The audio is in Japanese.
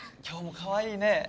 今日もかわいいね。